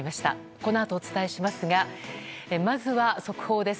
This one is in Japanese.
このあとお伝えしますがまずは速報です。